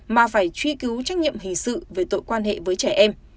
mà phải truy cứu trách nhiệm hình sự về tội quan hệ với trẻ em